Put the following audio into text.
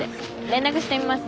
連絡してみます。